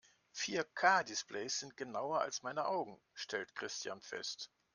Vier-K-Displays sind genauer als meine Augen, stellt Christian fest.